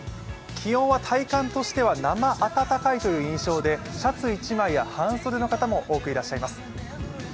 気温は体感としては生暖かいという印象でシャツ１枚や半袖の方も多くいらっしゃいます。